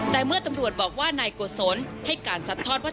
แต่เมื่อตำรวจบอกว่านายโกศลให้การสัดทอดว่า